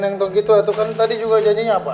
neng tuh gitu tadi juga janjinya apa